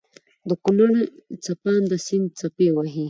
دکونړ څپانده سيند څپې وهي